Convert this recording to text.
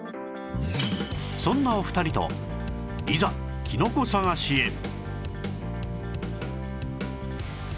そんなお二人といざキノコ探しへ